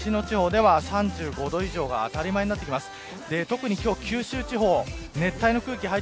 関東から西の地方では３５度以上が当たり前になってきます。